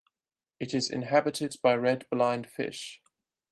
It is inhabited by red blind fish.